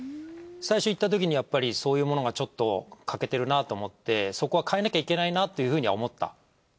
最初行ったときにやっぱりそういうものがちょっと欠けてるなと思ってそこは変えなきゃいけないなっていうふうには思った？